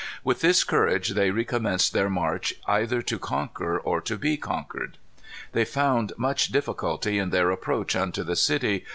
With this courage they recommenced their march either to conquer or to be conquered. "They found much difficulty in their approach unto the city.